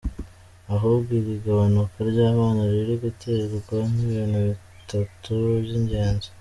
Ahubwo iri gabanuka ry'abana riri guterwa n'ibintu bitatu by'ingenzi:.